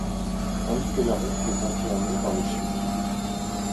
Tandis que la route le contournait par le sud.